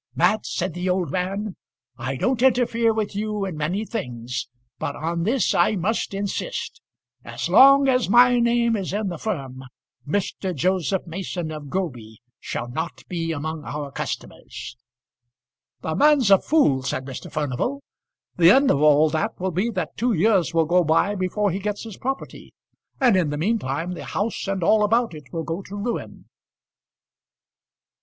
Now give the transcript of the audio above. "Mat," said the old man, "I don't interfere with you in many things, but on this I must insist. As long as my name is in the firm Mr. Joseph Mason of Groby shall not be among our customers." "The man's a fool," said Mr. Furnival. "The end of all that will be that two years will go by before he gets his property; and, in the meantime, the house and all about it will go to ruin."